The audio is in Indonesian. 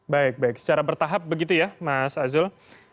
baik baik secara bertahap begitu ya mas azul